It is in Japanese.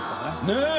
ねえ！